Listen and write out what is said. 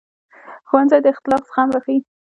ښوونځی د اختلاف زغم راښيي